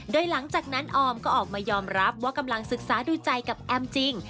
โดยหลังจากนั้นออมก็ออกมายอมรับว่ากำลังศึกษาดูใจกับแอมจริง